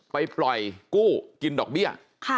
ไปปล่อยกู้กินดอกเบี้ย